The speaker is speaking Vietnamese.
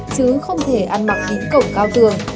chứ không thể ăn mặc đĩnh cổng cao tường